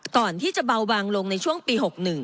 ที่จะเบาบางลงในช่วงปี๖๑